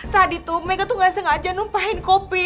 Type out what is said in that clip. tadi tuh meka tuh nggak sengaja numpahin kopi